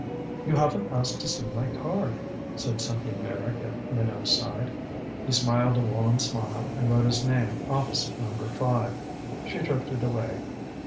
"You haven't asked to see my card," said Cynthia Meyrick at Minot's side. He smiled a wan smile, and wrote his name opposite number five. She drifted away.